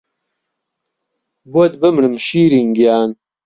بۆت بمرم شیرین گیان